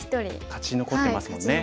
勝ち残ってますもんね。